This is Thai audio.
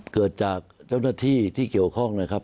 เกิดจากเจ้าหน้าที่ที่เกี่ยวข้องนะครับ